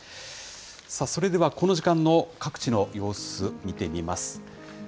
それではこの時間の各地の様子、見てみます。